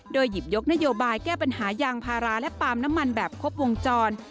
โดยหยิบยกนโยบายแก้ปัญหายางพาราและปาล์มน้ำมันแบบครบวงจร